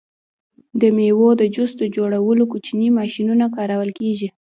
د میوو د جوس جوړولو کوچنۍ ماشینونه کارول کیږي.